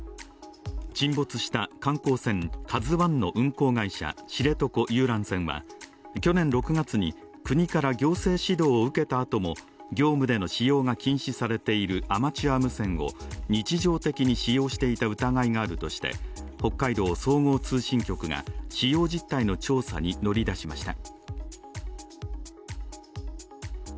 沈没した観光船「ＫＡＺＵⅠ」の運航会社、知床遊覧船は去年６月に、国から行政指導を受けたあとも業務での使用が禁止されているアマチュア無線を日常的に使用していた疑いがあるとして、北海道総合通信局が使用実態の調査に乗り出しました。